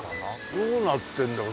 どうなってるんだろう？